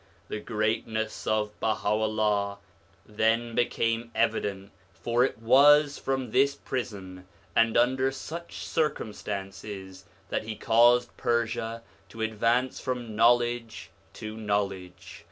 The greatness of Baha' u'llah then became evident, for it was from this prison and under such circumstances that he caused Persia to advance from knowledge to knowledge.